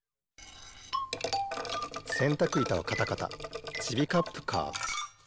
せんたくいたをカタカタちびカップカー。